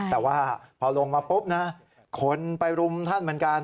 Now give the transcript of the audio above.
แต่ว่าพอลงมาปุ๊บนะคนไปรุมท่านเหมือนกัน